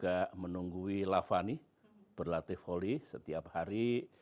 saya juga menunggui lavani berlatih volley setiap hari